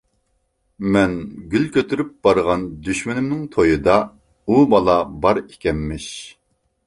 مەن گۈل كۆتۈرۈپ بارغان دۈشمىنىمنىڭ تويىدا ئۇ بالا بار ئىكەنمىش.